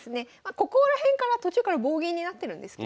ここら辺から途中から棒銀になってるんですけど。